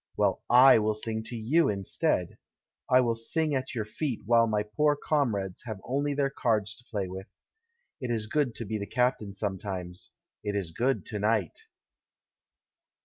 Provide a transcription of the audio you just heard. Well, / will sing to you in stead. I will sing at your feet, while my poor comrades have only their cards to play with. It is good to be the captain sometimes — it is good to night."